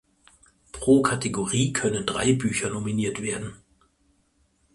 Pro Kategorie können drei Bücher nominiert werden.